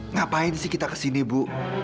ngapain sih kita kesini bu